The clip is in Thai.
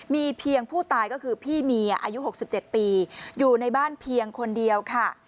มีเพียงผู้ตายก็คือพี่เมียอายุ๖๗ปีอยู่ในบ้านเพียงคนเดียวค่ะ